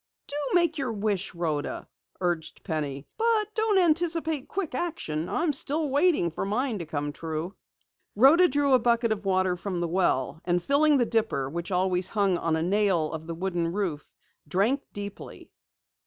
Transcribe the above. "Do make your wish, Rhoda," urged Penny, "but don't anticipate quick action. I'm still waiting for mine to come true." Rhoda drew a bucket of water from the well, and filling the dipper which always hung on a nail of the wooden roof, drank deeply.